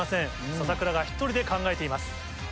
篠倉が１人で考えています。